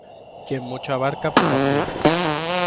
Quien mucho abarca, poco aprieta.